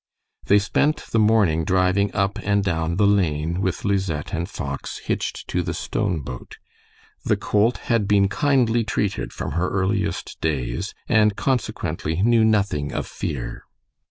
They spent the morning driving up and down the lane with Lisette and Fox hitched to the stone boat. The colt had been kindly treated from her earliest days, and consequently knew nothing of fear.